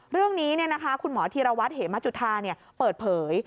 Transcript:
เรื่องนี้คุณหมอธีรวัตรเหมจุธาเปิดเผย